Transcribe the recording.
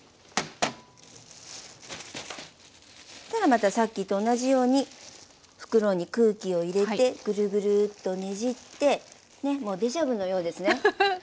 そしたらまたさっきと同じように袋に空気を入れてぐるぐるとねじってもうデジャビュのようですね。